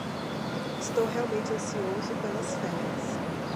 Estou realmente ansioso pelas férias.